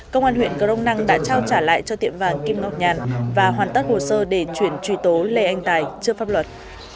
công an huyện crong năng đã trao trả lại cho tiệm vàng kim ngọc nhàn và hoàn tất hồ sơ để chuyển truy tố lê anh tài trước pháp luật